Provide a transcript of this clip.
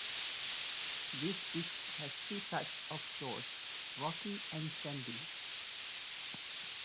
This beach has two types of shores, rocky and sandy.